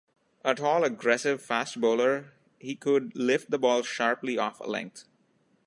A tall aggressive fast bowler, he could lift the ball sharply off a length.